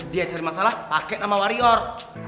dia cari masalah pake nama warior